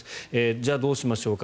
じゃあ、どうしましょうか。